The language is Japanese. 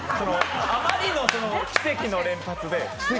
あまりの奇跡の連発で。